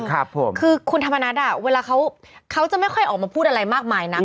คือคุณธรรมนัฐอ่ะเวลาเขาเขาจะไม่ค่อยออกมาพูดอะไรมากมายนัก